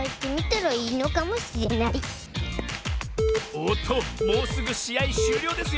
おっともうすぐしあいしゅうりょうですよ。